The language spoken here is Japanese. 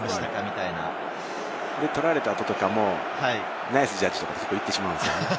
取られた後とかも、ナイスジャッジとか結構言ってしまうんですよね。